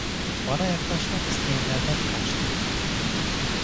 Bana yaklaşmak isteyenlerden kaçtım.